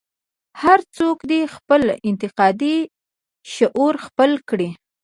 هر څوک دې خپل انتقادي شعور خپل کړي.